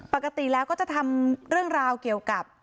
ปกติแล้วก็จะทำเรื่องราวเกี่ยวกับ